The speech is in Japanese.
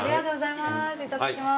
いただきます。